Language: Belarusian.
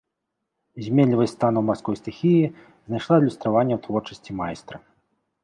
Зменлівасць станаў марской стыхіі знайшла адлюстраванне ў творчасці майстра.